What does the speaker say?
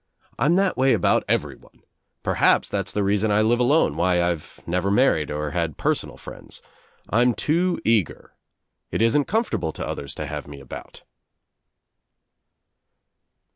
"I'm that way about everyone. Perhaps that's the reason I live alone, why I've never married or had personal friends. I'm too eager. It isn't comfortable to others to have me about."